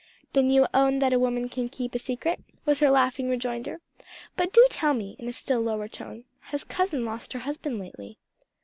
"Then you own that a woman can keep a secret?" was her laughing rejoinder. "But do tell me," in a still lower tone, "has cousin lost her husband lately?"